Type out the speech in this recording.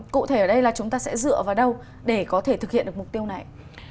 cụ thể ở đây là chúng ta sẽ dựa vào đâu để có thể thực hiện được mục tiêu này